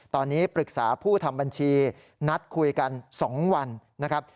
ตอนนี้ปรึกษาผู้ทำบัญชีนัดคุยกัน๒วันนะครับ